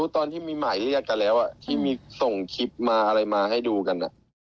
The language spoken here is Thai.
ตอนที่มีหมายเรียกกันแล้วที่มีส่งคลิปมาอะไรมาให้ดูกัน